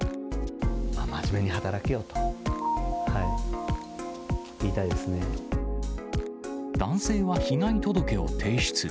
真面目に働けよと、言いたい男性は被害届を提出。